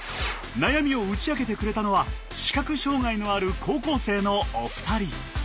悩みを打ち明けてくれたのは視覚障害のある高校生のお二人。